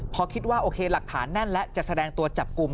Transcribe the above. พอคิดว่าโอเคหลักฐานแน่นแล้วจะแสดงตัวจับกลุ่ม